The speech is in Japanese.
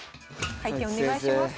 回転お願いします。